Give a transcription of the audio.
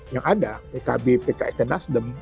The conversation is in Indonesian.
yang ada pkb pks dan nasdem